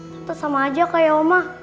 tante sama aja kayak oma